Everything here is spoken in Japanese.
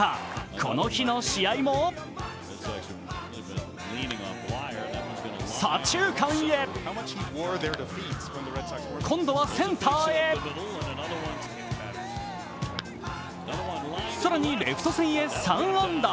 この日の試合も左中間へ今度はセンターへ更にレフト線へ３安打。